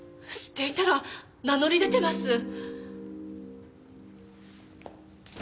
知っていたら名乗り出てます！